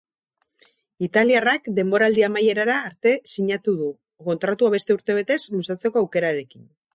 Italiarrak denboraldi amaierara arte sinatu du, kontratua beste urtebetez luzatzeko aukerarekin.